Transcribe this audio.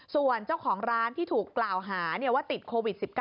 ส่วนเจ้าของร้านที่ถูกกล่าวหาว่าติดโควิด๑๙